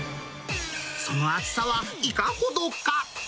その厚さはいかほどか？